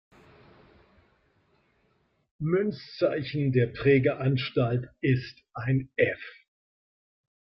Münzzeichen der Prägeanstalt ist ein „F“.